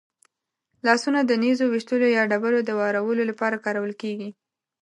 لاسونه د نېزو ویشتلو یا ډبرو د وارولو لپاره کارول کېدل.